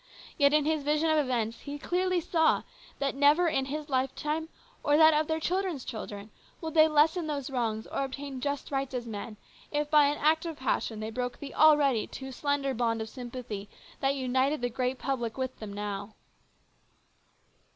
Yet in his vision of events he clearly saw that never in his lifetime, or that of their children's children, would they lessen those wrongs or obtain just rights as men, if by an act of passion they broke the already too slender bond of sympathy that united the great public with them now.